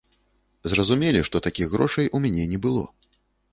Зразумелі, што такіх грошай у мяне не было.